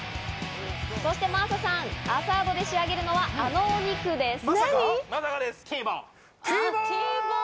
そして真麻さん、アサードで仕上げるのはあのお肉です！